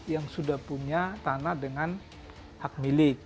yang sudah punya tanah dengan hak milik